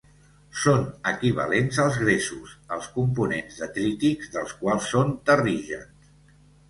Són equivalents als gresos, els components detrítics dels quals són terrígens.